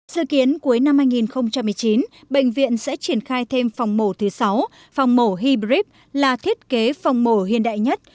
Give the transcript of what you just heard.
dự kiến cuối năm hai nghìn một mươi chín bệnh viện sẽ triển khai thêm phòng mổ thứ sáu phòng mổ hybrip là thiết kế phòng mổ hiện đại nhất